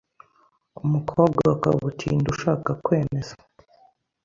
Umukobwa wa kabutindi ushaka kwemeza